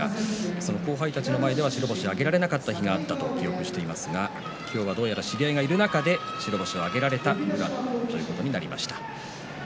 その後輩たちの前では白星を挙げられなかった日があったと記憶していますが今日はどうやら知り合いがいる中で白星が挙げられたということになりました。